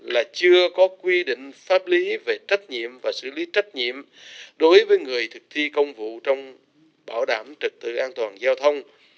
là chưa có quy định pháp lý về trách nhiệm và xử lý trách nhiệm đối với người thực thi công vụ trong bảo đảm trực tự an toàn giao thông